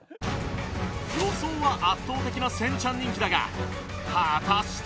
予想は圧倒的なせんちゃん人気だが果たして！？